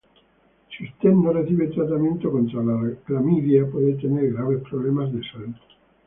Si usted no recibe tratamiento contra la clamidia puede tener graves problemas de salud.